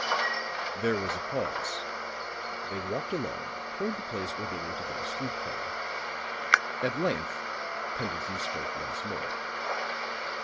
There was a pause; they walked along toward the place where they were to get a street car. At length Pendleton spoke once more.